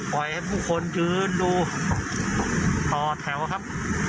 ปล่อยให้ผู้คนพูดต่อแถวครับ